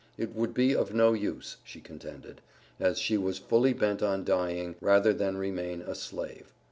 It would be of no use," she contended, "as she was fully bent on dying, rather than remain a slave."